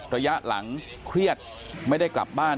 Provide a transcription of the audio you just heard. ระยะหลังเครียดไม่ได้กลับบ้าน